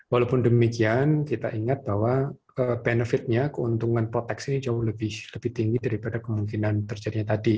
walaupun demikian kita ingat bahwa benefitnya keuntungan proteksi ini jauh lebih tinggi daripada kemungkinan terjadinya tadi